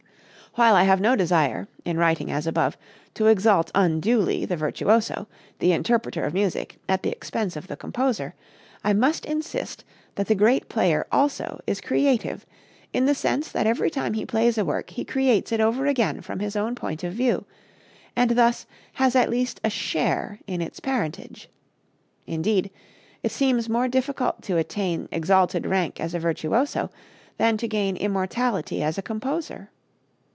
While I have no desire, in writing as above, to exalt unduly the virtuoso, the interpreter of music, at the expense of the composer, I must insist that the great player also is creative, in the sense that every time he plays a work he creates it over again from his own point of view, and thus has at least a share in its parentage. Indeed, it seems more difficult to attain exalted rank as a virtuoso than to gain immortality as a composer.